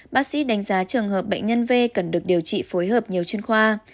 bác sĩ đánh giá trường hợp bệnh nhân v cần được điều trị phối hợp nhiều chuyên khoa